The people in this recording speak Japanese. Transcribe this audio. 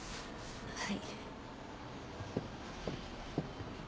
はい。